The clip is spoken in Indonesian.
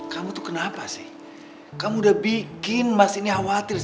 kamu tuh kenapa sih